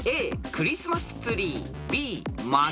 クリスマスツリーＢ薪。